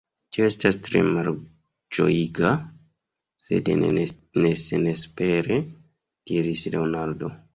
Tio estas tre malĝojiga, sed ne senespera, diris Leonardo.